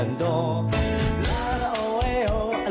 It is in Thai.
อ้อนี่แหละฮะ